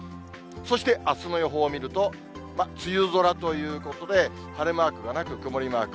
そしてあすの予報を見ると、梅雨空ということで、晴れマークがなく、曇りマーク。